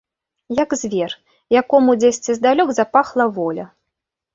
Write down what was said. Як звер, якому дзесьці здалёк запахла воля.